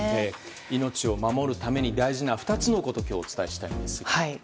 命を守るために大事な２つのことを今日はお伝えしたいんです。